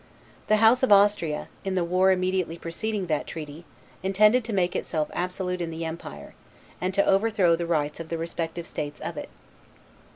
The House of Austria, in the war immediately preceding that treaty, intended to make itself absolute in the empire, and to overthrow the rights of the respective states of it.